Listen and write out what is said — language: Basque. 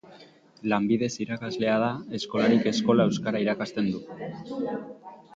Lanbidez irakaslea da, eskolarik eskola euskara irakasten du.